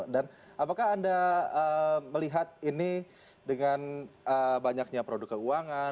dan apakah anda melihat ini dengan banyaknya produk keuangan